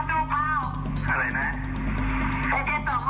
สวัสดีครับสวัสดีครับ